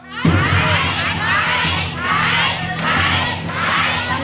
ใช้ใช้ใช้ใช้